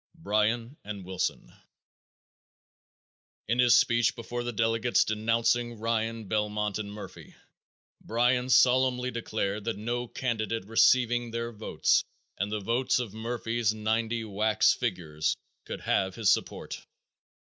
Bryan and Wilson. In his speech before the delegates denouncing Ryan, Belmont and Murphy, Bryan solemnly declared that no candidate receiving their votes and the votes of Murphy's "ninety wax figures" could have his support.